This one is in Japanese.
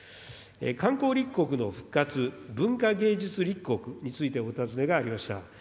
観光立国の復活、文化芸術立国についてお尋ねがありました。